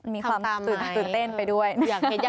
มีความตื่นเต้นไปด้วยทำตามไหม